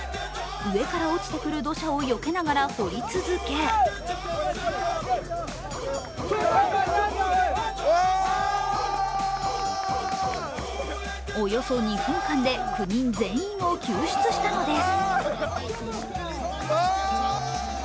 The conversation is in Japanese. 上から落ちてくる土砂をよけながら、掘り続けおよそ２分間で９人全員を救出したのです。